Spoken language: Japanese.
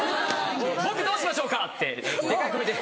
「僕どうしましょうか！」ってデカい声で。